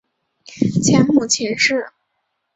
前母秦氏。